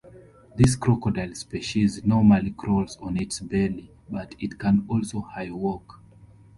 This crocodile species normally crawls on its belly, but it can also "high walk".